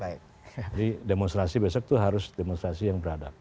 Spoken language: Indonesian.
jadi demonstrasi besok itu harus demonstrasi yang beradab